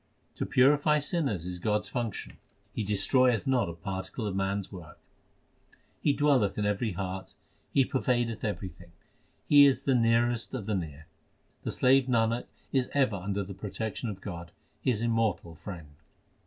To purify sinners is God s function ; He destroyeth not a particle of man s work. 1 He dwelleth in every heart ; He pervadeth everything ; He is the nearest of the near. The slave Nanak is ever under the protection of God, his immortal Friend.